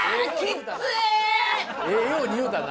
ええように言うたな。